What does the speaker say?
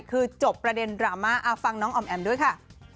คือจบประเด็นดราม่าฟังน้องออมแอมด้วยค่ะ